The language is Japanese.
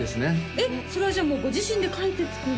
えっそれはじゃあご自身で描いて作る？